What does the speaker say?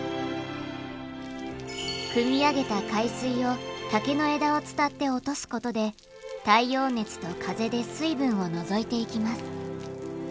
くみ上げた海水を竹の枝を伝って落とすことで太陽熱と風で水分を除いていきます。